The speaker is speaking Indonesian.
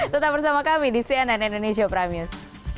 tetap bersama kami di cnn indonesia prime news